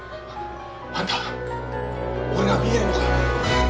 あんた俺が見えるのか？